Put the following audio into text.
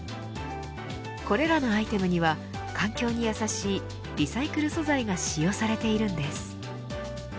これらのアイテムには環境にやさしいリサイクル素材が使用されているんです。